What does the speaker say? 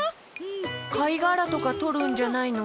かいがらとかとるんじゃないの？